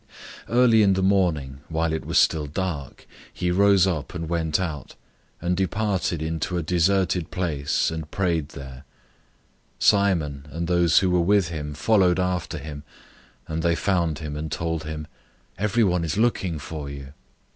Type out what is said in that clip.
001:035 Early in the morning, while it was still dark, he rose up and went out, and departed into a deserted place, and prayed there. 001:036 Simon and those who were with him followed after him; 001:037 and they found him, and told him, "Everyone is looking for you."